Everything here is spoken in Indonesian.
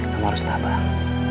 kamu harus tamang